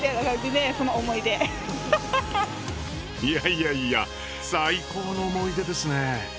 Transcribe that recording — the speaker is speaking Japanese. いやいや最高の思い出ですね。